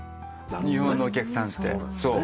日本のお客さんって。